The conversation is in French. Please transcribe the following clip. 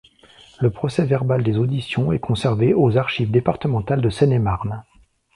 Le procès-verbal des auditions est conservé aux Archives Départementales de Seine-Et-Marne.